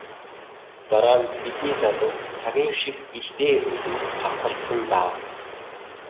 Дараа нь бидний залуу цагийнх шиг илдээ эргүүлэн хатгалцсан даа.